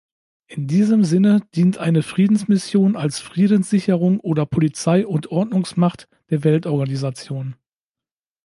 In diesem Sinne dient eine Friedensmission als Friedenssicherung oder Polizei- und Ordnungsmacht der Weltorganisation.